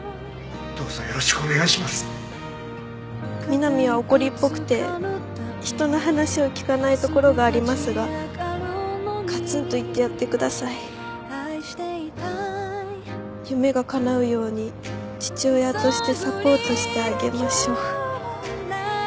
「美波は怒りっぽくて人の話を聞かないところがありますがガツンと言ってやってください」「夢が叶うように父親としてサポートしてあげましょう」